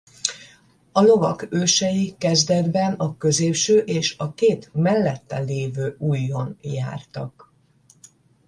A lovak ősei kezdetben a középső és a két mellette levő ujjon jártak.